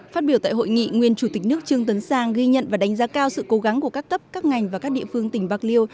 phát biểu tại hội nghị nguyên chủ tịch nước trương tấn sang ghi nhận và đánh giá cao sự cố gắng của các cấp các ngành và các địa phương tỉnh bạc liêu